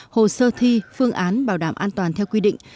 hồ sơ thi phương án bảo đảm an toàn theo quy định